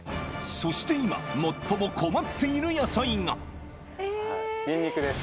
そして今、最も困っている野ニンニクです。